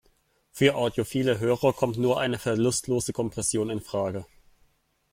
Für audiophile Hörer kommt nur eine verlustlose Kompression infrage.